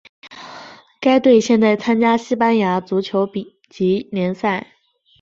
该队现在参加西班牙足球丙级联赛。